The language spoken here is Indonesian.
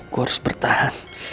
gue harus bertahan